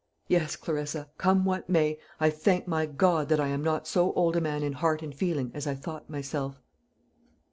Yes, Clarissa, come what may, I thank my God that I am not so old a man in heart and feeling as I thought myself."